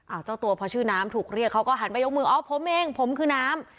เจ้าตัวพอชื่อน้ำถูกเรียกเขาก็หันไปยกมืออ๋อผมเองผมคือน้ำ